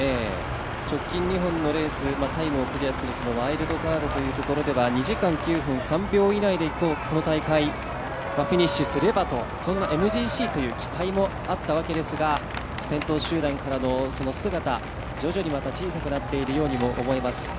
直近２本のレース、タイムをクリアするワイルドカードというところでは２時間９分以内でいけばこの大会、フィニッシュすればと、そんなＭＧＣという期待もあったわけですが、先頭集団からの姿、徐々にまた小さくなっているようにも感じます。